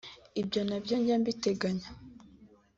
Ibyo ntabwo njya mbiteganya